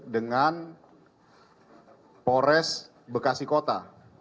dengan pores bekasi kota